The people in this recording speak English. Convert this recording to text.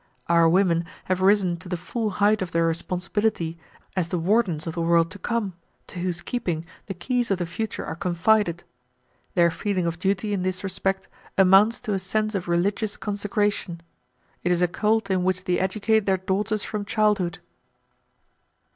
Our women have risen to the full height of their responsibility as the wardens of the world to come, to whose keeping the keys of the future are confided. Their feeling of duty in this respect amounts to a sense of religious consecration. It is a cult in which they educate their daughters from childhood."